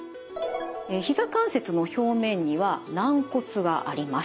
ひざ関節の表面には軟骨があります。